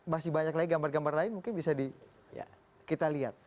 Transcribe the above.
masih banyak lagi gambar gambar lain mungkin bisa kita lihat